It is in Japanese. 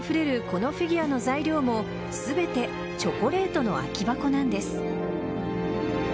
このフィギュアの材料も全てチョコレートの空き箱なんです。